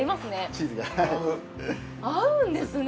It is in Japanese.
チーズにはい合うんですね